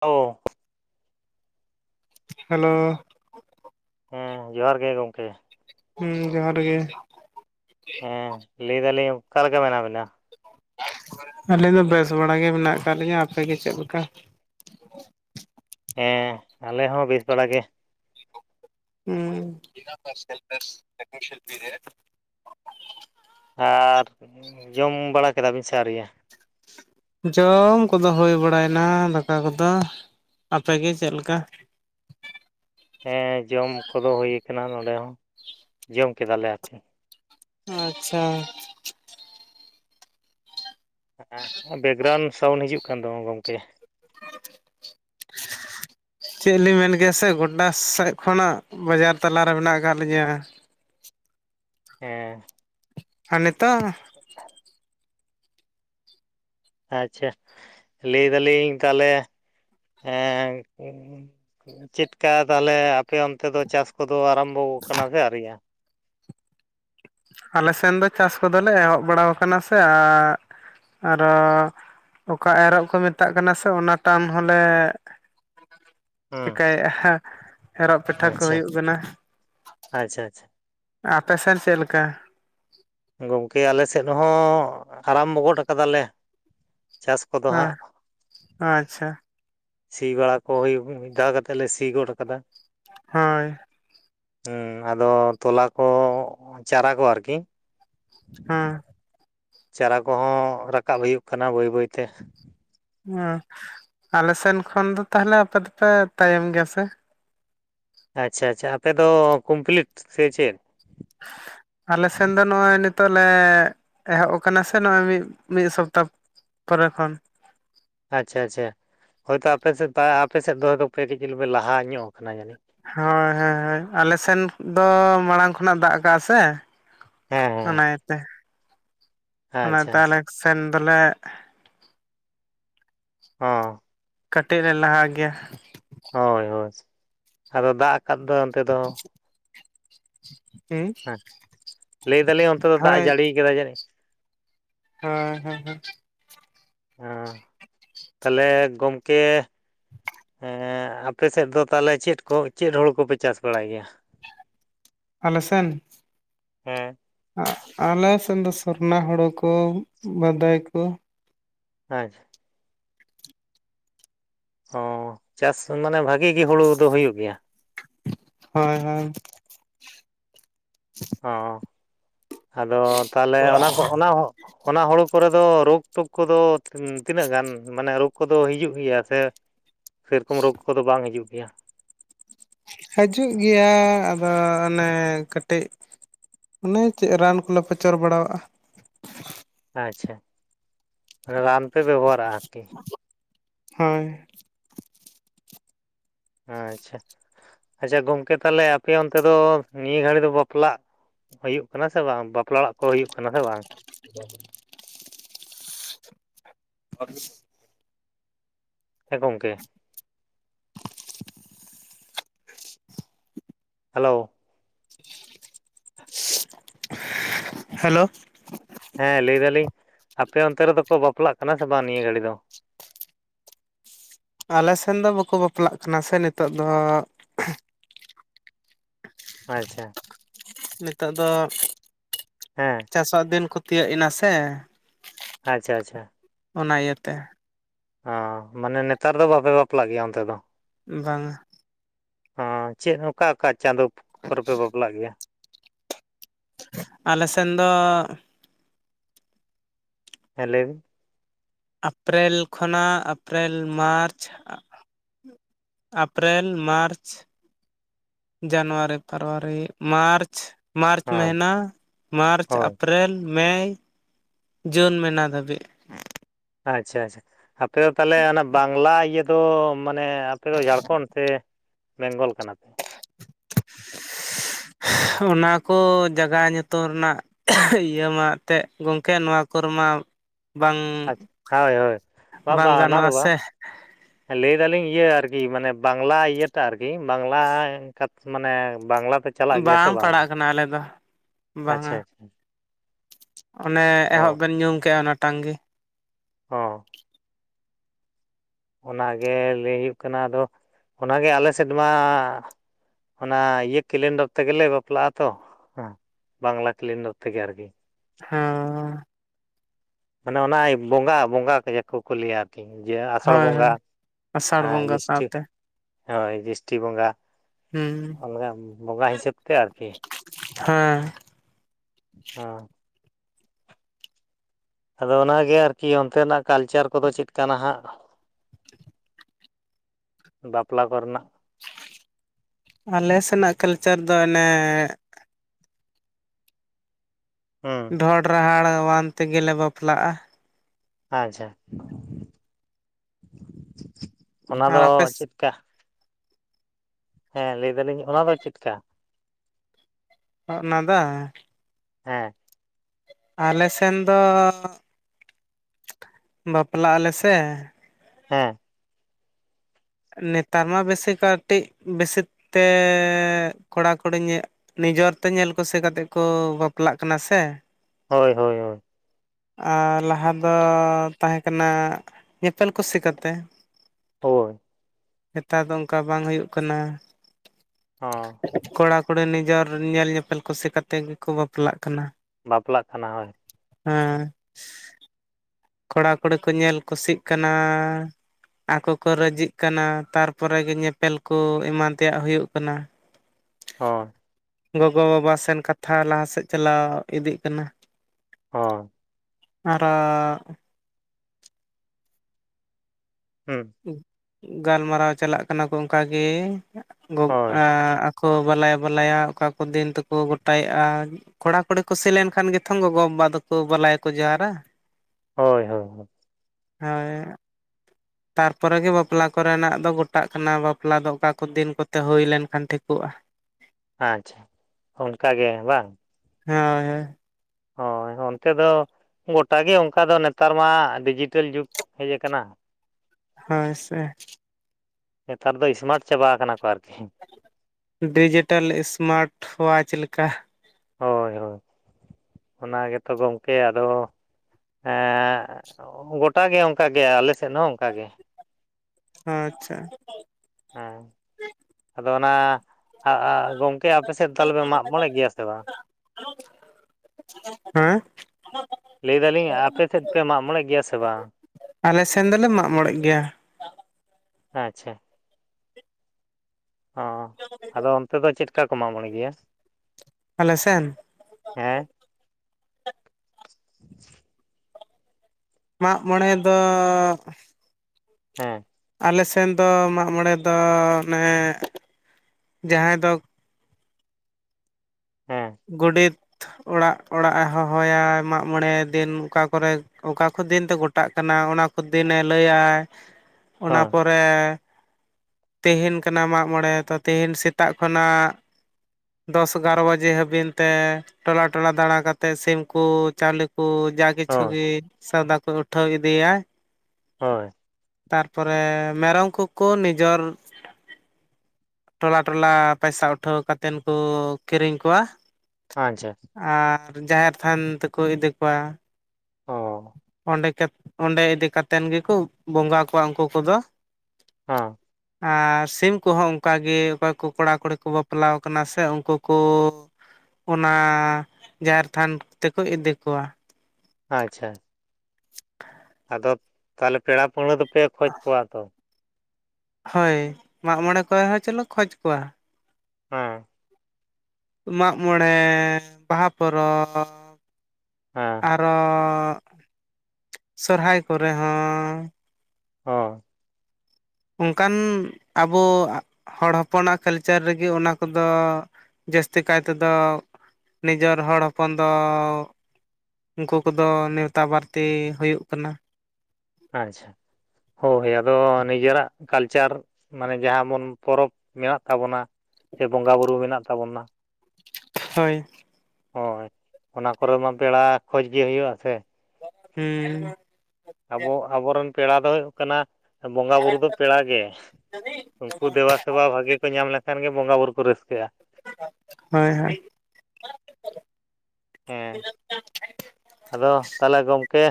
ᱳ, hello. ᱦᱮᱸ ᱡᱚᱦᱟᱨ ᱜᱮ ᱜᱚᱢᱠᱮ᱾ ᱦᱮᱸ ᱡᱚᱦᱟᱨ ᱜᱮ᱾ ᱦᱮᱸ ᱞᱟᱹᱭ ᱫᱟᱞᱤᱧ ᱚᱠᱟ ᱞᱮᱠᱟ ᱢᱮᱱᱟᱜ ᱵᱤᱱᱟ? ᱟᱹᱞᱤᱧ ᱫᱚ ᱵᱮᱥ ᱵᱟᱲᱟ ᱜᱮ ᱢᱮᱱᱟᱜ ᱟᱠᱟᱫ ᱞᱤᱧᱟᱹ ᱟᱯᱮ ᱜᱮ ᱪᱮᱫ ᱞᱮᱠᱟ? ᱦᱮᱸ ᱟᱞᱮ ᱦᱚᱸ ᱵᱮᱥ ᱵᱟᱲᱟ ᱜᱮ᱾ ᱦᱩᱹ ᱟᱨ ᱡᱚᱢ ᱵᱟᱲᱟ ᱠᱮᱫᱟᱵᱤᱱ ᱥᱮ ᱟᱣᱨᱤᱭᱟ? ᱡᱚᱢ ᱠᱚᱫᱚ ᱦᱩᱭ ᱵᱟᱲᱟᱭᱮᱱᱟ ᱫᱟᱠᱟ ᱠᱚᱫᱚ᱾ ᱟᱯᱮᱜᱮ ᱪᱮᱫ ᱞᱮᱠᱟ ᱞᱮᱠᱟ? ᱦᱮ ᱡᱚᱢ ᱠᱚᱫᱚ ᱦᱩᱭ ᱠᱟᱱᱟ ᱱᱚᱸᱰᱮ ᱦᱚᱸ, ᱡᱚᱢ ᱠᱮᱫᱟᱞᱮ ᱟᱨᱠᱤ᱾ ᱟᱪᱪᱷᱟ ᱦᱮᱸ ᱵᱮᱠᱜᱨᱟᱣᱩᱱᱰ ᱥᱟᱣᱩᱱᱰ ᱦᱤᱡᱩᱜ ᱠᱟᱱ ᱛᱟᱢᱟ ᱜᱚᱢᱠᱮ᱾ [inaudible] ᱪᱮᱫ ᱞᱤᱧ ᱢᱮᱱ ᱠᱮᱭᱟ ᱥᱮ ᱜᱚᱴᱟ ᱥᱮᱫ ᱠᱷᱚᱱᱟᱜ ᱵᱟᱡᱟᱨ ᱛᱟᱞᱟᱨᱮ ᱢᱮᱱᱟᱜ ᱟᱠᱟᱫ ᱞᱤᱧᱟᱹ᱾ ᱦᱮᱸ ᱟᱨ ᱱᱮᱛᱟᱨ ᱟᱪᱪᱷᱟ ᱞᱟᱹᱭ ᱫᱟᱞᱤᱧ ᱛᱟᱦᱚᱞᱮ ᱪᱮᱫᱠᱟ ᱛᱟᱦᱚᱞᱮ ᱟᱯᱮ ᱚᱱᱛᱮ ᱫᱚ ᱪᱟᱥ ᱠᱚᱫᱚ ᱟᱨᱚᱢᱵᱷᱚ ᱠᱟᱱᱟ ᱥᱮ ᱟᱣᱨᱤᱭᱟ? ᱟᱞᱮ ᱥᱮᱱ ᱫᱚ ᱪᱟᱥ ᱠᱚᱫᱚᱞᱮ ᱮᱦᱚᱵ ᱵᱟᱲᱟ ᱟᱠᱟᱱᱟ ᱥᱮ ᱟᱨ ᱟᱨᱚ ᱚᱠᱟ ᱮᱨᱚᱜ ᱠᱚ ᱢᱮᱛᱟᱜ ᱠᱟᱱᱟ ᱥᱮ ᱚᱱᱟ ᱴᱟᱱ ᱦᱚᱸᱞᱮ [inaudible] ᱪᱤᱠᱟᱭᱟ ᱮᱨᱚᱜ ᱯᱤᱴᱷᱟ ᱠᱚ ᱟᱪᱪᱷᱟ ᱦᱩᱭᱩᱜ ᱠᱟᱱᱟ᱾ ᱟᱪᱪᱷᱟ ᱟᱪᱪᱷᱟ ᱟᱯᱮᱥᱮᱱ ᱪᱮᱫ ᱞᱮᱠᱟ? ᱜᱚᱢᱠᱮ ᱟᱞᱮ ᱥᱮᱫ ᱦᱚᱸ ᱟᱨᱚᱢᱵᱷᱚ ᱜᱚᱫ ᱠᱟᱫᱟᱞᱮ ᱪᱟᱥ ᱠᱚᱫᱚ ᱦᱮᱸ ᱦᱟᱸᱜ᱾ ᱟᱪᱪᱷᱟ ᱥᱤ ᱵᱟᱲᱟ ᱠᱚ ᱦᱩᱭ ᱢᱤᱫ ᱫᱷᱟᱣ ᱠᱟᱛᱮᱫ ᱞᱮ ᱥᱤ ᱜᱚᱫ ᱠᱟᱫᱟ᱾ ᱦᱳᱭ ᱦᱮᱸ ᱟᱫᱚ ᱛᱚᱞᱟ ᱠᱚ, ᱪᱟᱨᱟ ᱠᱚ ᱟᱨᱠᱤ ᱦᱮᱸ ᱪᱟᱨᱟ ᱠᱚᱦᱚᱸ ᱨᱟᱠᱟᱵ ᱦᱩᱭᱩᱜ ᱠᱟᱱᱟ ᱵᱟᱹᱭ ᱵᱟᱹᱭᱛᱮ᱾ ᱟᱞᱮ ᱥᱮᱱ ᱠᱷᱚᱱ ᱫᱚ ᱛᱟᱦᱚᱞᱮ ᱟᱯᱮ ᱫᱚᱯᱮ ᱛᱟᱭᱚᱢ ᱜᱮᱭᱟ ᱥᱮ? ᱟᱪᱷᱟ ᱟᱪᱷᱟ ᱟᱯᱮᱫᱚ ᱠᱚᱢᱯᱞᱤᱴ ᱥᱮ ᱪᱮᱫ? ᱟᱞᱮ ᱥᱮᱱ ᱫᱚ ᱱᱚᱜᱼᱚᱭ ᱱᱤᱛᱚᱜ ᱞᱮ ᱮᱦᱚᱵ ᱟᱠᱟᱱᱟ ᱥᱮ ᱱᱚᱜᱼᱚᱭ ᱢᱤᱫ, ᱢᱤᱫ ᱥᱚᱯᱛᱟᱦ ᱯᱚᱨᱮ ᱠᱷᱚᱱ᱾ ᱟᱪᱪᱷᱟ ᱟᱪᱪᱷᱟ ᱦᱳᱭᱛᱚ ᱟᱯᱮᱥᱮᱫ, ᱟᱯᱮᱥᱮᱫ ᱫᱚ ᱯᱮ [unintelligible] ᱞᱟᱦᱟ ᱧᱚᱜ ᱟᱠᱟᱱᱟ ᱡᱟᱹᱱᱤᱡ᱾ ᱦᱳᱭ ᱦᱳᱭ ᱦᱳᱭ ᱟᱞᱮᱥᱱ ᱫᱚ ᱢᱟᱲᱟᱝ ᱠᱷᱚᱱᱟᱜ ᱫᱟᱜ ᱟᱠᱟᱜᱼᱟ ᱥᱮ ᱦᱮᱸ ᱦᱮᱸ ᱚᱱᱟᱛᱮ, ᱟᱪᱪᱷᱟ ᱚᱱᱟᱛᱮ ᱟᱞᱮ ᱟᱪᱪᱷᱟ ᱥᱮᱱ ᱫᱚᱞᱮ ᱦᱚᱸ ᱠᱟᱹᱴᱤᱡ ᱞᱮ ᱞᱟᱦᱟ ᱜᱮᱭᱟ᱾ ᱦᱳᱭ ᱦᱳᱭ ᱟᱫᱚ ᱫᱟᱜ ᱟᱠᱟᱫ ᱫᱚ ᱚᱱᱛᱮ ᱫᱚ ᱦᱮᱸ ᱞᱟᱹᱭ ᱫᱟᱞᱤᱧ ᱚᱱᱛᱮ ᱫᱚ ᱫᱟᱜ ᱡᱟᱹᱲᱤ ᱠᱮᱫᱟᱭ ᱡᱟᱹᱱᱤᱡ ᱦᱮᱸ ᱦᱮᱸ ᱦᱮᱸ ᱛᱟᱦᱚᱞᱮ ᱜᱚᱢᱠᱮ ᱟᱯᱮ ᱥᱮᱫ ᱫᱚ ᱛᱟᱦᱚᱞᱮ ᱪᱮᱫ ᱠᱚ ᱪᱮᱫ ᱦᱳᱲᱳ ᱠᱚᱯᱮ ᱪᱟᱥ ᱵᱟᱲᱟᱭ ᱜᱮᱭᱟ? [unintelligible] ᱟᱞᱮ ᱥᱮᱱ ᱦᱮᱸ, ᱟᱞᱮ ᱥᱮᱱ ᱫᱚ ᱥᱚᱨᱱᱟ ᱦᱚᱲᱩᱲᱩ ᱠᱚ ᱵᱟᱫᱟᱭ ᱠᱚ ᱟᱪᱷᱟ᱾ ᱚ ᱪᱟᱥ ᱢᱟᱱᱮ ᱵᱷᱟᱜᱤ ᱜᱮ ᱦᱩᱲᱩ ᱫᱚ ᱦᱩᱭᱩᱜ ᱜᱮᱭᱟ? ᱦᱳᱭ ᱦᱳᱭ᱾ ᱚ ᱟᱫᱚ ᱛᱟᱦᱚᱞᱮ ᱚᱱᱟ ᱠᱚ ᱚᱱᱟ ᱦᱚᱸ ᱚᱱᱟ ᱦᱩᱲᱩ ᱠᱚᱨᱮᱫᱚ ᱨᱳᱜᱽ ᱴᱳᱠ ᱠᱚᱫᱚ ᱛᱤᱱᱟᱹᱜ ᱜᱟᱱ ᱢᱟᱱᱮ ᱨᱳᱜᱽ ᱠᱚᱫᱚ ᱦᱤᱡᱩᱜ ᱜᱮᱭᱟ ᱥᱮ ᱥᱮᱨᱚᱠᱚᱢ ᱨᱳᱜᱽ ᱠᱚᱫᱚ ᱵᱟᱝ ᱦᱤᱡᱩᱜ ᱜᱮᱭᱟ? ᱦᱤᱡᱩᱜ ᱜᱮᱭᱟ ᱟᱫᱚ ᱚᱱᱮ ᱠᱟᱹᱴᱤᱡ ᱚᱱᱮ ᱪᱮᱫ ᱨᱟᱱ ᱠᱚᱞᱮ ᱯᱚᱪᱚᱨ ᱵᱟᱲᱟᱣᱟᱜ-ᱟ᱾ ᱟᱪᱷᱟ ᱨᱟᱱ ᱯᱮ ᱵᱮᱵᱚᱦᱟᱨᱟ ᱟᱨᱠᱤ, ᱦᱳᱭ᱾ ᱟᱪᱷᱟ, ᱟᱪᱷᱟ ᱜᱚᱝᱠᱮ ᱛᱟᱦᱚᱞᱮ ᱟᱯᱮ ᱚᱱᱛᱮ ᱫᱚ ᱱᱤᱭᱟᱹ ᱜᱷᱟᱹᱲᱤᱡ ᱫᱚ ᱵᱟᱯᱞᱟᱜ ᱦᱩᱭᱩᱜ ᱠᱟᱱᱟ ᱥᱮ ᱵᱟᱝ ᱵᱟᱯᱞᱟ ᱚᱲᱟᱜ ᱠᱚ ᱦᱩᱭᱩᱜ ᱠᱟᱱᱟ ᱥᱮ ᱵᱟᱝ? [unintelligible] [unintelligible] ᱦᱮᱸ ᱜᱚᱝᱠᱮ ᱦᱮᱞᱳ ᱾ ᱦᱮᱞᱳ, ᱦᱮᱸ ᱞᱟᱹᱭ ᱫᱟᱞᱤᱧ ᱟᱯᱮ ᱚᱱᱛᱮ ᱨᱮᱫᱚ ᱠᱚ ᱵᱟᱯᱞᱟᱜ ᱠᱟᱱᱟ ᱥᱮ ᱵᱟᱝ, ᱱᱤᱭᱟᱹ ᱜᱷᱟᱹᱲᱤ ᱫᱚ? ᱟᱞᱮ ᱥᱮᱱ ᱫᱚ ᱵᱟᱠᱚ ᱵᱟᱯᱞᱟᱜ ᱠᱟᱱᱟ ᱥᱮ ᱱᱤᱛᱚᱜ ᱫᱚ᱾ ᱟᱪᱷᱟ᱾ ᱱᱤᱛᱚᱜ ᱫᱚ ᱦᱮᱸ, ᱪᱟᱥᱚᱜ ᱫᱤᱱ ᱠᱚ ᱛᱤᱭᱟᱹᱜ ᱮᱱᱟ ᱥᱮ᱾ ᱟᱪᱷᱟ ᱟᱪᱷᱟ᱾ ᱚᱱᱟ ᱤᱭᱟᱹᱛᱮ ᱚ ᱢᱟᱱᱮ ᱱᱮᱛᱟᱨ ᱫᱚ ᱵᱟᱯᱮ ᱵᱟᱯᱞᱟᱜ ᱜᱮᱭᱟ ᱚᱱᱛᱮ ᱫᱚ? ᱵᱟᱝᱟ, ᱦᱚᱸ ᱪᱮᱜ ᱚᱠᱟ ᱚᱠᱟ ᱪᱟᱸᱫᱳ ᱠᱚᱨᱮ ᱯᱮ ᱵᱟᱯᱞᱟᱜ ᱜᱮᱭᱟ? ᱟᱞᱮ ᱥᱮᱱ ᱫᱚ ᱦᱮᱸ ᱞᱟᱹᱭ ᱵᱤᱱ ᱟᱯᱨᱮᱞ ᱠᱷᱚᱱᱟᱜ ᱟᱯᱨᱮᱞ ᱢᱟᱨᱪ ᱟᱯᱨᱮᱞ ᱢᱟᱨᱪ ᱡᱟᱱᱣᱟᱨᱤ ᱯᱷᱨᱣᱟᱨᱤ ᱢᱟᱨᱪ ᱢᱟᱨᱪ ᱦᱳᱭ ᱢᱮᱦᱱᱟ ᱢᱟᱨᱪ ᱟᱯᱨᱮ ᱦᱳᱭ ᱮᱯᱨᱮᱞ ᱢᱮᱭ ᱡᱩᱱ ᱢᱮᱦᱱᱟ ᱫᱷᱟᱹᱵᱤᱡ, ᱟᱪᱪᱷᱟ ᱟᱪᱪᱷᱟ ᱟᱯᱮ ᱫᱚ ᱛᱟᱞᱦᱮ ᱚᱱᱟ ᱵᱟᱝᱞᱟ ᱤᱭᱟᱹ ᱫᱚ ᱢᱟᱱᱮ ᱟᱯᱮ ᱫᱚ ᱡᱷᱟᱲᱠᱷᱚᱸᱰ ᱥᱮ ᱵᱮᱝᱜᱚᱞ ᱠᱟᱱᱟ ᱯᱮ? ᱚᱱᱟ ᱠᱚ ᱡᱟᱜᱟ ᱧᱩᱛᱩᱢ ᱨᱮᱱᱟᱜ ᱤᱭᱟᱹ ᱢᱟ ᱛᱮᱜ ᱜᱚᱝᱠᱮ ᱱᱚᱣᱟ ᱠᱚᱨᱮ ᱢᱟ ᱵᱟᱝ ᱟᱪᱪᱷᱟ ᱦᱳᱭ ᱦᱳᱭ ᱵᱟᱝ ᱚᱱᱟ ᱫᱚ ᱜᱟᱱᱚᱜ-ᱟ ᱵᱟᱝ ᱥᱮ, ᱞᱟᱹᱭ ᱫᱟᱞᱤᱧ ᱤᱭᱟᱹ ᱟᱨᱠᱤ ᱢᱟᱱᱮ ᱵᱟᱝᱞᱟ ᱤᱭᱟᱹᱛᱟᱜ ᱟᱨᱠᱤ ᱵᱟᱝᱞᱟ ᱠᱟᱛ ᱢᱟᱱᱮ ᱵᱟᱝᱞᱟᱛᱮ ᱵᱟᱝ ᱯᱟᱲᱟᱜ ᱠᱟᱱᱟ ᱟᱞᱮ ᱫᱚ ᱟᱪᱪᱷᱟ ᱵᱟᱝᱟ, ᱟᱪᱪᱷᱟ ᱚᱱᱮ ᱚ ᱮᱦᱚᱵ ᱵᱮᱱ ᱧᱩᱢ ᱠᱮᱜ-ᱟ ᱚᱱᱟ ᱴᱟᱸᱝ ᱜᱤ᱾ ᱦᱚᱸ᱾ ᱚᱱᱟ ᱜᱮ ᱞᱟᱹᱭ ᱦᱩᱭᱩᱜ ᱠᱟᱱᱟ ᱟᱫᱚ ᱚᱱᱟ ᱜᱮ ᱟᱞᱮ ᱥᱮᱫ ᱢᱟ᱾ ᱚᱱᱟ ᱤᱭᱟᱹ ᱠᱮᱞᱮᱱᱰᱟᱨ ᱛᱮᱜᱮᱞᱮ ᱵᱟᱯᱞᱟᱜ-ᱟ ᱛᱚ ᱦᱮᱸ ᱵᱟᱝᱞᱟ ᱠᱮᱞᱮᱱᱰᱟᱨ ᱛᱮᱜᱮ ᱟᱨᱠᱤ᱾ ᱦᱮᱸ᱾ ᱢᱟᱱᱮ ᱚᱱᱟ ᱵᱚᱸᱜᱟ ᱵᱚᱸᱜᱟ ᱥᱮ [unintelligible] ᱾ ᱴᱷᱤᱠ ᱜᱮᱭᱟ ᱟᱥᱟᱲ ᱦᱳᱭ ᱵᱚᱸᱜᱟ ᱦᱳᱭ ᱟᱥᱟᱲ ᱦᱮᱸ ᱵᱚᱸᱜᱟ ᱡᱤᱥᱴᱤᱠ ᱥᱟᱶᱛᱮ ᱦᱳᱭ ᱡᱤᱥᱴᱤ ᱵᱚᱸᱜᱟ ᱦᱩᱸ ᱚᱱᱠᱟ ᱵᱚᱸᱜᱟ ᱦᱤᱥᱟᱹᱵᱽ ᱛᱮ ᱟᱨᱠᱤ᱾ ᱦᱮᱸ᱾ ᱦᱩᱸ᱾ ᱟᱫᱚ ᱚᱱᱟ ᱜᱮ ᱟᱨᱠᱤ ᱚᱱᱛᱮ ᱱᱟᱜ ᱠᱟᱞᱪᱟᱨ ᱠᱚᱫᱚ ᱪᱮᱫ ᱠᱟ ᱱᱟ ᱦᱟᱸᱜ᱾ ᱵᱟᱯᱞᱟ ᱠᱚᱨᱮᱱᱟᱜ᱾ ᱟᱞᱮ ᱥᱮᱱᱟᱜ ᱠᱟᱞᱪᱟᱨ ᱫᱚ ᱮᱱᱮ᱾ ᱦᱩᱸ᱾ [unintelligible] ᱛᱮ ᱜᱮᱞᱮ ᱵᱟᱯᱞᱟᱜ-ᱟ᱾ ᱟᱪᱷᱟ ᱚᱱᱟ ᱟᱨ ᱫᱚ ᱟᱯᱮ ᱪᱮᱫ ᱠᱟ᱾ ᱦᱮᱸ ᱞᱟᱹᱭ ᱫᱟᱞᱤᱧ ᱚᱱᱟ ᱫᱚ ᱪᱮᱫ ᱠᱟ᱾ ᱚᱜ-ᱚᱱᱟ ᱫᱚ᱾ ᱦᱮᱸ᱾ ᱟᱞᱮ ᱥᱮᱱ ᱫᱚ ᱵᱟᱯᱞᱟᱜ ᱟᱞᱮ ᱥᱮ᱾ ᱦᱮᱸ᱾ ᱱᱮᱛᱟᱨ ᱢᱟ ᱵᱮᱥᱤ ᱠᱟᱣᱴᱤᱜ ᱵᱮᱥᱤ ᱛᱮᱻ ᱠᱚᱲᱟ ᱠᱩᱲᱤ ᱧᱮ ᱱᱤᱡᱚᱨ ᱛᱮ ᱧᱮᱞ ᱠᱩᱥᱤ ᱠᱟᱛᱮᱜ ᱠᱩ ᱵᱟᱯᱞᱟᱜ ᱠᱟᱱᱟ ᱥᱮ᱾ ᱦᱳᱭ ᱦᱳᱭ ᱦᱳᱭ᱾ ᱟᱻ ᱞᱟᱦᱟ ᱫᱚ ᱛᱟᱸᱦᱮ ᱠᱟᱱᱟ ᱧᱮᱯᱮᱞ ᱠᱩᱥᱤ ᱠᱟᱛᱮ᱾ ᱦᱳᱭ᱾ ᱱᱮᱛᱟᱨ ᱫᱚ ᱚᱝᱠᱟ ᱵᱟᱝ ᱦᱩᱭᱩᱜ ᱠᱟᱱᱟ᱾ ᱦᱚᱸ ᱠᱚᱲᱟ ᱠᱩᱲᱤ ᱱᱤᱡᱚᱨ ᱧᱮᱞ ᱧᱮᱯᱮᱞ ᱠᱩᱥᱤ ᱠᱟᱛᱮ ᱜᱮᱠᱩ ᱵᱟᱯᱞᱟᱜ ᱠᱟᱱᱟ᱾ ᱵᱟᱯᱞᱟᱜ ᱠᱟᱱᱟ ᱦᱳᱭ᱾ ᱦᱮᱸ ᱠᱚᱲᱟ ᱠᱩᱲᱤ ᱠᱩ ᱧᱮᱞ ᱠᱩᱥᱤᱜ ᱠᱟᱱᱟ᱾ ᱟᱠᱚ ᱠᱚ ᱨᱟᱹᱡᱤᱜ ᱠᱟᱱᱟ ᱛᱟᱨ ᱯᱚᱨᱮ ᱜᱮ ᱧᱮᱯᱮᱞ ᱠᱩ ᱮᱢᱟᱱ ᱛᱮᱭᱟᱜ ᱦᱩᱭᱩᱜ ᱠᱟᱱᱟ᱾ ᱦᱚᱭ᱾ ᱜᱚᱜᱚ ᱵᱟᱵᱟ ᱥᱮᱱ ᱠᱟᱛᱷᱟ ᱞᱟᱦᱟ ᱥᱮᱜ ᱪᱟᱞᱟᱣ ᱤᱫᱤᱜ ᱠᱟᱱᱟ᱾ ᱦᱚᱸ᱾ ᱟᱨᱚ᱾ ᱦᱩᱸ᱾ ᱜᱟᱞᱢᱟᱨᱟᱣ ᱪᱟᱞᱟᱜ ᱠᱟᱱᱟ ᱠᱩ ᱚᱱᱠᱟᱜᱤ ᱜᱚ ᱦᱳᱭ ᱟ ᱟ ᱠᱚ ᱵᱟᱞᱟᱭ ᱵᱟᱞᱟᱭᱟ ᱚᱠᱟ ᱠᱚ ᱫᱤᱱ ᱛᱮᱠᱩ ᱜᱚᱴᱟᱭᱮᱜ-ᱟ᱾ ᱠᱚᱲᱟ ᱠᱩᱲᱤ ᱠᱩᱥᱤ ᱞᱮᱱᱠᱷᱟᱱ ᱜᱮ ᱛᱷᱚᱝ ᱜᱚᱜᱚ ᱵᱟᱵᱟ ᱫᱚᱠᱩ ᱵᱟᱞᱟᱭᱟ ᱠᱩ ᱡᱚᱦᱟᱨᱟ ᱾ ᱦᱳᱭ ᱦᱳᱭ ᱦᱳᱭ᱾ ᱦᱳᱭ᱾ ᱛᱟᱨ ᱯᱚᱨᱮ ᱜᱮ ᱵᱟᱯᱞᱟ ᱠᱚᱨᱮᱱᱟᱜ ᱫᱚ ᱜᱚᱴᱟᱜ ᱠᱟᱱᱟ ᱵᱟᱯᱞᱟ ᱫᱚ ᱚᱠᱟ ᱠᱚ ᱫᱤᱱ ᱠᱚᱛᱮ ᱦᱩᱭ ᱞᱮᱱᱠᱷᱟᱱ ᱴᱷᱤᱠᱩᱜ-ᱟ᱾ ᱟᱪᱷᱟ ᱚᱱᱠᱟᱜᱮ ᱵᱟᱝ᱾ ᱦᱳᱭ ᱦᱳᱭ᱾ ᱦᱳᱭ ᱚᱱᱛᱮ ᱫᱚ ᱜᱚᱴᱟ ᱜᱮ ᱚᱱᱠᱟ ᱫᱚ ᱱᱮᱛᱟᱨ ᱢᱟ ᱰᱤᱡᱤᱴᱮᱞ ᱡᱩᱜᱽ ᱦᱮᱡ ᱠᱟᱱᱟ᱾ ᱦᱳᱭ ᱥᱮ ᱾ ᱱᱮᱛᱟᱨ ᱫᱚ ᱥᱢᱟᱨᱴ ᱪᱟᱵᱟ ᱟᱠᱟᱱᱟ ᱠᱚ ᱟᱨᱠᱤ ᱾ ᱰᱤᱡᱤᱴᱟᱞ ᱥᱢᱟᱨᱴ ᱳᱣᱟᱪ ᱞᱮᱠᱟ ᱾ ᱦᱳᱭ ᱦᱳᱭ ᱚᱱᱟ ᱜᱮᱛᱚ ᱜᱚᱝᱠᱮ ᱟᱫᱚ ᱮᱸᱜ ᱜᱚᱴᱟ ᱜᱮ ᱚᱝᱠᱟ ᱜᱮ ᱟᱞᱮ ᱥᱮᱫ ᱦᱚᱸ ᱚᱝᱠᱟ ᱜᱮ᱾ ᱟᱪᱪᱷᱟ᱾ ᱦᱮᱸ ᱟᱫᱚ ᱚᱱᱟ ᱟ ᱟ ᱜᱚᱝᱠᱮ ᱟᱯᱮ ᱥᱮᱫ ᱛᱟᱞᱮ ᱯᱮ ᱢᱟᱜ-ᱢᱚᱬᱮ ᱜᱮᱭᱟ ᱥᱮ ᱵᱟᱝ? [unintelligible] ᱦᱮᱸ [unintelligible] ᱞᱟᱹᱭ ᱫᱟᱞᱤᱧ ᱟᱯᱮ ᱥᱮᱫ ᱯᱮ ᱢᱟᱜ-ᱢᱚᱬᱮ ᱜᱮᱭᱟ ᱥᱮ ᱵᱟᱝ? ᱟᱞᱮ ᱥᱮᱱ ᱫᱚᱞᱮ ᱢᱟᱜ-ᱢᱚᱬᱮᱜ ᱜᱮᱭᱟ ᱾ ᱟᱪᱪᱷᱟ ᱾ ᱚ ᱟᱫᱚ ᱚᱱᱛᱮ ᱫᱚ ᱪᱮᱴ ᱠᱟ ᱠᱚ ᱢᱟᱜ-ᱢᱚᱬᱮᱜ ᱜᱮᱭᱟ? ᱟᱞᱮ ᱥᱮᱱ? ᱦᱮᱸ [inaudible] ᱢᱟᱜ-ᱢᱚᱬᱮ ᱫᱚᱻ ᱦᱮᱸ ᱟᱞᱮ ᱥᱮᱱ ᱫᱚ ᱢᱟᱜ-ᱢᱚᱬᱮ ᱫᱚ ᱚᱱᱮ ᱡᱟᱸᱦᱟᱭ ᱫᱚ ᱦᱩᱸ ᱜᱳᱰᱮᱛ ᱚᱲᱟᱜ ᱚᱲᱟᱜ ᱮ ᱦᱚᱦᱚᱭᱟᱭ ᱢᱟᱜ-ᱢᱚᱬᱮ ᱫᱤᱱ ᱚᱠᱟ ᱠᱚᱨᱮ ᱚᱠᱟ ᱠᱚ ᱫᱤᱱᱛᱮ ᱜᱚᱴᱟᱜ ᱠᱟᱱᱟ ᱚᱱᱟ ᱠᱚ ᱫᱤᱱ ᱮ ᱞᱟᱹᱭᱟ᱾ ᱚᱱᱟ ᱦᱳᱭ ᱯᱚᱨᱮ ᱛᱮᱦᱮᱹᱱ ᱠᱟᱱᱟ ᱢᱟᱜ-ᱢᱚᱬᱮ ᱛᱚ ᱛᱮᱦᱮᱧ ᱥᱮᱛᱟᱜ ᱠᱷᱚᱱᱟᱜ ᱫᱚᱥ ᱜᱟᱨᱚ ᱵᱟᱡᱮ ᱦᱟᱵᱤᱱ ᱛᱮ ᱴᱚᱞᱟ ᱴᱚᱞᱟ ᱫᱟᱬᱟ ᱠᱟᱛᱮ ᱥᱤᱢ ᱠᱩ ᱪᱟᱣᱞᱮ ᱠᱩ ᱡᱟᱣ ᱠᱤᱪᱷᱩ ᱦᱳᱭ ᱜᱤ ᱥᱟᱣᱫᱟ ᱠᱚ ᱩᱴᱷᱟᱹᱣ ᱤᱫᱤᱭᱟᱭ᱾ ᱦᱚᱭ ᱛᱟᱨᱯᱚᱨᱮ ᱢᱮᱨᱚᱢ ᱠᱩᱠᱚ ᱱᱤᱡᱚᱨ ᱴᱚᱞᱟ ᱴᱚᱞᱟ ᱯᱟᱭᱥᱟ ᱩᱴᱷᱟᱹᱣ ᱠᱟᱛᱮᱱ ᱠᱩ ᱠᱤᱨᱤᱧ ᱠᱚᱣᱟ᱾ ᱟᱱᱪᱷᱟ ᱾ ᱟᱨ ᱡᱟᱸᱦᱮᱨ ᱛᱷᱟᱱ ᱛᱮᱠᱚ ᱤᱫᱤ ᱠᱚᱣᱟ ᱾ ᱚᱸ ᱚᱸᱰᱮ ᱠᱮᱛ ᱚᱸᱰᱮ ᱤᱫᱤ ᱠᱟᱛᱮᱱ ᱜᱮᱠᱩ ᱵᱚᱸᱜᱟ ᱠᱚᱣᱟ ᱩᱱᱠᱩ ᱠᱚᱫᱚ ᱾ ᱦᱚᱸ ᱟᱨ ᱥᱤᱢ ᱠᱚᱦᱚᱸ ᱚᱱᱠᱟ ᱜᱮ ᱚᱠᱚᱭ ᱠᱚ ᱠᱚᱲᱟ ᱠᱩᱲᱤ ᱠᱚ ᱵᱟᱯᱞᱟᱣ ᱠᱟᱱᱟ ᱥᱮ ᱩᱱᱠᱩ ᱠᱚᱻ ᱚᱱᱟ ᱡᱟᱸᱦᱮᱨ ᱛᱷᱟᱱ ᱛᱮᱠᱚ ᱤᱫᱤ ᱠᱚᱣᱟ ᱾ ᱟᱪᱷᱟ ᱾ ᱟᱫᱚ ᱛᱟᱞᱦᱮ ᱯᱮᱲᱟ ᱯᱟᱹᱲᱦᱟᱹ ᱫᱚᱯᱮ ᱠᱷᱚᱸᱡ ᱠᱚᱣᱟ ᱛᱚ? ᱦᱳᱭ ᱢᱟᱜ-ᱢᱚᱬᱮ ᱠᱚᱭ ᱦᱚᱪᱚᱞᱮ ᱠᱷᱡᱽ ᱠᱚᱣᱟ ᱾ [unintelligible] ᱢᱟᱜ-ᱢᱚᱬᱮᱸ ᱵᱟᱦᱟ ᱯᱚᱨᱚᱵᱽ ᱦᱮᱸ ᱟᱨᱚ ᱥᱚᱨᱦᱟᱭ ᱠᱚᱨᱮᱦᱚᱸ᱾ ᱚ ᱚᱱᱠᱟᱱ ᱟᱵᱚ ᱟᱜ ᱦᱚᱲ ᱦᱚᱯᱚᱱᱟᱜ ᱠᱟᱹᱞᱪᱟᱨ ᱨᱮᱜᱤ ᱚᱱᱟ ᱠᱚᱫᱚ ᱡᱟᱹᱥᱛᱤ ᱠᱟᱭ ᱛᱮᱫᱚ ᱱᱤᱡᱚᱨ ᱦᱚᱲ ᱦᱚᱯᱚᱱ ᱫᱚᱻ ᱩᱱᱠᱩ ᱠᱚᱫᱚ ᱱᱮᱣᱛᱟ ᱵᱟᱨᱛᱤ ᱦᱩᱭᱩᱜ ᱠᱟᱱᱟ᱾ ᱟᱪᱪᱷᱟ ᱦᱳᱭ ᱟᱫᱚ ᱱᱤᱡᱮᱨᱟᱜ ᱠᱟᱞᱪᱟᱨ ᱢᱟᱱᱮ ᱡᱟᱦᱟᱸ ᱵᱚᱱ ᱯᱚᱨᱚᱵᱽ ᱢᱮᱱᱟᱜ ᱛᱟᱵᱚᱱᱟ ᱥᱮ ᱵᱚᱸᱜᱟ ᱵᱩᱨᱩ ᱢᱮᱱᱟᱜ ᱛᱟᱵᱚᱱᱟ ᱦᱳᱭ᱾ ᱦᱳᱭ ᱚᱱᱟ ᱠᱚᱨᱮ ᱢᱟ ᱯᱮᱲᱟ ᱠᱷᱚᱡᱽ ᱜᱮ ᱦᱩᱭᱩᱜᱼᱟ ᱥᱮ᱾ ᱦᱩᱸ᱾ ᱟᱵᱚ ᱟᱵᱚᱨᱮᱱ ᱯᱮᱲᱟ ᱫᱚ ᱦᱩᱭᱩᱜ ᱠᱟᱱᱟ ᱵᱚᱸᱜᱟ ᱵᱩᱨᱩ ᱫᱚ ᱯᱮᱲᱟ ᱜᱮ, ᱩᱝᱠᱩ ᱫᱮᱵᱟᱥᱮᱵᱟ ᱵᱷᱟᱜᱤ ᱠᱚ ᱧᱟᱢ ᱞᱮᱠᱷᱟᱱ ᱜᱮ ᱵᱚᱸᱜᱟ ᱵᱩᱨᱩ ᱠᱚ ᱨᱟᱹᱥᱠᱟᱹᱜᱼᱟ᱾ ᱦᱳᱭ ᱦᱳᱭ᱾ ᱦᱮᱸ ᱟᱫᱚ ᱛᱟᱦᱚᱞᱮ ᱜᱚᱢᱠᱮ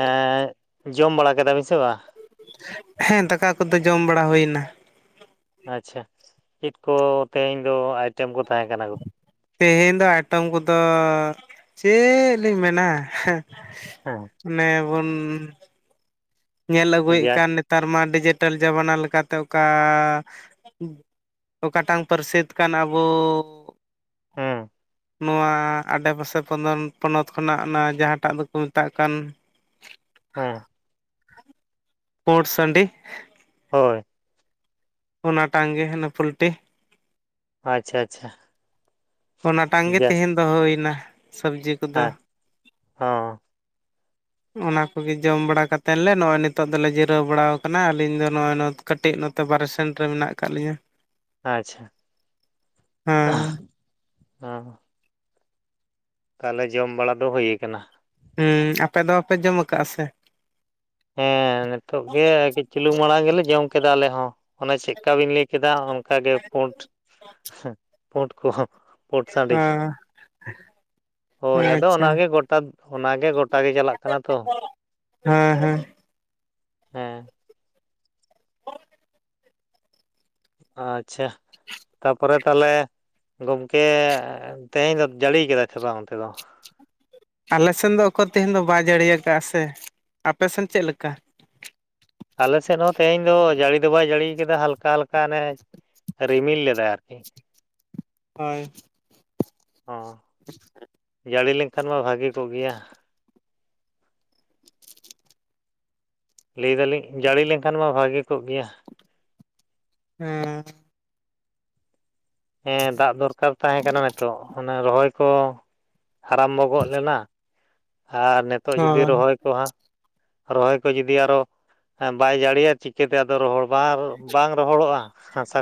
ᱮᱸᱜ ᱡᱚᱢ ᱵᱟᱲᱟ ᱠᱮᱫᱟ ᱵᱤᱱ ᱥᱮ ᱵᱟᱝ? ᱦᱮᱸ ᱫᱟᱠᱟ ᱠᱚᱫᱚ ᱡᱚᱢ ᱵᱟᱲᱟ ᱦᱩᱭᱱᱟ᱾ ᱟᱪᱪᱷᱟ ᱪᱮᱫ ᱠᱚ ᱛᱮᱦᱮᱧ ᱫᱚ ᱟᱭᱴᱮᱢ ᱠᱚ ᱛᱟᱦᱮᱸ ᱠᱟᱱᱟ? ᱛᱮᱦᱮᱧ ᱫᱚ ᱟᱭᱴᱮᱚᱢ ᱠᱚᱫᱚ ᱪᱮᱫ ᱞᱤᱧ ᱢᱮᱱᱟ ᱦᱮᱸ᱾ ᱚᱱᱮ ᱵᱚᱱ ᱧᱮᱞ ᱟᱹᱜᱩᱭᱮᱫ ᱡᱟ ᱠᱟᱱ ᱱᱮᱛᱟᱨ ᱢᱟ ᱰᱤᱡᱤᱴᱟᱞ ᱡᱟᱢᱟᱱᱟ ᱞᱮᱠᱟᱛᱮ ᱚᱠᱟ ᱚᱠᱟᱴᱟᱝ ᱯᱟᱹᱨᱥᱤᱥᱛ ᱠᱟᱱ ᱟᱵᱚ ᱦᱩᱸ᱾ ᱱᱚᱣᱟ ᱟᱰᱮᱯᱟᱥᱮ ᱯᱚᱱᱚᱛ ᱠᱷᱚᱱᱟᱜ ᱚᱱᱟ ᱡᱟᱦᱟᱸᱴᱟᱜ ᱫᱚᱠᱚ ᱢᱮᱛᱟᱜ ᱠᱟᱱ ᱦᱮᱸ᱾ ᱯᱳᱴ ᱥᱟᱺᱰᱤ ᱦᱳᱭ᱾ ᱚᱱᱟ ᱴᱟᱝ ᱜᱮ ᱦᱟᱸᱱᱮ ᱯᱳᱩᱞᱴᱤ ᱟᱪᱪᱷᱟ ᱟᱪᱪᱷᱟ᱾ ᱚᱱᱟᱴᱟᱝ ᱜᱮ ᱡᱟᱥ ᱛᱮᱦᱮᱧ ᱫᱚ ᱦᱳᱭᱱᱟ ᱥᱚᱵᱡᱤ ᱠᱚᱫᱚ᱾ ᱦᱮᱸ [unintelligible] ᱚᱱᱟ ᱠᱚᱜᱮ ᱡᱚᱢ ᱵᱟᱲᱟ ᱠᱟᱛᱮᱱ ᱞᱮ ᱱᱚᱸᱜᱼᱚᱭ ᱱᱤᱛᱚᱜᱜ ᱫᱚᱞᱮ ᱡᱤᱨᱟᱹᱣ ᱵᱟᱲᱟ ᱟᱠᱟᱱᱟ ᱟᱞᱤᱧ ᱫᱚ ᱱᱚᱸᱜᱼᱚᱭ ᱱᱚ ᱠᱟᱹᱴᱤᱡ ᱱᱚᱛᱮ ᱵᱟᱨᱮ ᱥᱮᱱ ᱨᱮ ᱢᱮᱱᱟᱜ ᱠᱟᱫ ᱞᱤᱧᱟᱹ᱾ ᱟᱪᱪᱷᱟ ᱦᱮᱸ [inaudible] ᱛᱟᱦᱚᱞᱮ ᱡᱚᱢ ᱵᱟᱲᱟ ᱫᱚ ᱦᱩᱭ ᱟᱠᱟᱱᱟ? ᱦᱩᱸ ᱟᱯᱮ ᱫᱚ ᱵᱟᱯᱮ ᱡᱚᱢ ᱠᱟᱜᱼᱟ ᱥᱮ? ᱦᱮᱸ ᱱᱤᱛᱳᱜ ᱜᱮ ᱠᱟᱹᱡ ᱪᱩᱞᱩᱜ ᱢᱟᱲᱟᱝ ᱜᱮᱞᱮ ᱡᱚᱢ ᱠᱮᱫᱟ ᱟᱞᱮ ᱦᱚᱸ᱾ ᱚᱱᱮ ᱪᱮᱫᱠᱟ ᱵᱤᱱ ᱞᱟᱹᱭ ᱠᱮᱫᱟ ᱚᱱᱠᱟᱜᱮ ᱯᱳᱸᱴ, ᱯᱳᱸᱴ ᱠᱚᱦᱚ᱾ ᱯᱳᱸᱴ ᱥᱺᱰᱤ᱾ ᱦᱮᱸ ᱦᱳᱭ ᱟᱫᱚ ᱟᱪᱪᱷᱟ ᱚᱱᱟᱜᱮ ᱜᱚᱴᱟ ᱚᱱᱟᱜᱮ ᱜᱚᱴᱟ ᱜᱮ ᱪᱟᱞᱟᱜ ᱠᱟᱱᱟ ᱛᱚ᱾ ᱦᱮᱸ ᱦᱮᱸ᱾ ᱦᱮᱸ᱾ ᱟᱪᱪᱷᱟ ᱛᱟ ᱯᱚᱨᱮ ᱛᱟᱦᱚᱞᱮ ᱜᱚᱝᱠᱮ ᱛᱮᱦᱮᱧ ᱫᱚ ᱡᱟᱹᱲᱤ ᱠᱟᱫᱟ ᱥᱮ ᱵᱟᱝ ᱚᱱᱛᱮ ᱫᱚ? ᱟᱞᱮᱥᱱ ᱫᱚ ᱚᱠᱚᱨ ᱛᱮᱦᱮᱸᱧ ᱫᱚ ᱵᱟᱭ ᱡᱟᱹᱲᱤᱭᱟ ᱠᱟᱫᱼᱟ ᱥᱮ, ᱟᱯᱮᱥᱮᱱ ᱪᱮᱫ ᱞᱮᱠᱟ? ᱟᱞᱮ ᱥᱮᱫ ᱦᱚᱸ ᱛᱮᱦᱮᱧ ᱫᱚ ᱡᱟᱹᱲᱤ ᱫᱚ ᱵᱟᱭ ᱡᱟᱹᱲᱤ ᱠᱟᱫᱟ ᱦᱟᱞᱠᱟ ᱦᱟᱞᱠᱟ ᱚᱱᱮ ᱨᱤᱢᱤᱞ ᱞᱮᱫᱟᱭ ᱟᱨᱠᱤ᱾ ᱦᱳᱭ᱾ ᱦᱚ ᱡᱟᱹᱲᱤ ᱞᱮᱱᱠᱷᱟᱱ ᱢᱟ ᱵᱷᱟᱹᱜᱤ ᱠᱚᱜ ᱜᱮᱭᱟ᱾ ᱞᱟᱹᱭ ᱫᱟᱞᱤᱧ ᱡᱟᱹᱲᱤ ᱞᱮᱱᱠᱷᱟᱱ ᱢᱟ ᱵᱷᱟᱜᱤ ᱠᱚᱜ ᱜᱮᱭᱟ᱾ ᱦᱮᱸ, ᱦᱮᱸ ᱫᱟᱜ ᱫᱚᱨᱠᱟᱨ ᱛᱟᱦᱮᱸ ᱠᱟᱱᱟ ᱱᱤᱛᱚᱜ, ᱚᱱᱟ ᱨᱚᱦᱚᱭ ᱠᱚ ᱟᱨᱟᱢᱵᱚ ᱜᱚ ᱞᱮᱱᱟ, ᱟᱨ ᱱᱤᱛᱚᱜ ᱡᱩᱫᱤ ᱦᱳᱭ ᱨᱚᱦᱚᱭ ᱦᱟᱸ ᱨᱚᱦᱚᱭ ᱠᱚ ᱡᱩᱫᱤ ᱟᱨᱚ ᱵᱟᱭ ᱡᱟᱹᱲᱤᱭᱟ, ᱪᱤ ᱪᱤᱠᱟᱹᱛᱮ ᱟᱫᱚ ᱨᱚᱦᱚᱲ ᱵᱟᱝ ᱵᱟᱝ ᱨᱚᱦᱚᱲᱚᱜᱼᱟ ᱦᱟᱥᱟ